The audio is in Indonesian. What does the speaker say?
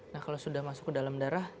nah kalau sudah masuk ke dalam darah